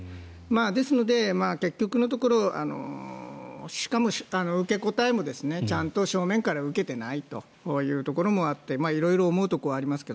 ですので、結局のところしかも受け答えもちゃんと正面から受けていないというところもあって色々思うところはありますが。